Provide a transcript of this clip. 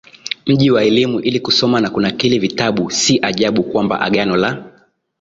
mji wa elimu ili kusoma na kunakili vitabu Si ajabu kwamba Agano la